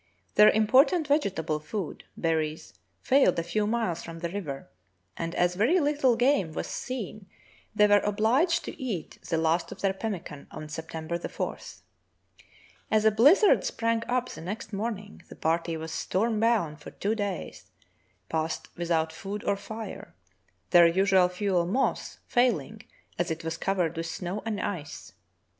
Their important vegetable food, berries, failed a few miles from the river, and as very little game was seen the}'^ were obliged to eat the last of their pemmican on September 4. As a bhzzard sprang up the next morn ing, the party was storm bound for two days — passed without food or fire, their usual fuel, moss, failing, as it was covered with snow and ice.